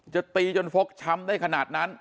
จะตีจนฟกช้ำได้ขนาดนั้น